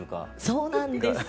そうなんです。